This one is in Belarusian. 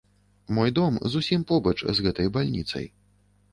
Мой дом зусім побач з гэтай бальніцай.